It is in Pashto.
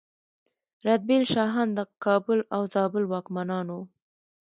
رتبیل شاهان د کابل او زابل واکمنان وو